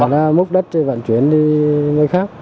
và múc đất vận chuyển đi nơi khác